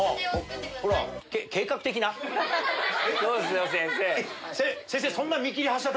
そうっすよ先生。